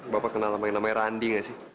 bapak kenal namanya randy nggak sih